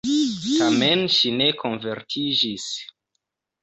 Tamen ŝi ne konvertiĝis.